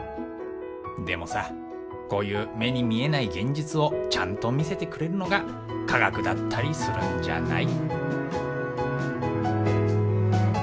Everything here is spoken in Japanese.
でもさこういう目に見えない現実をちゃんと見せてくれるのが科学だったりするんじゃない？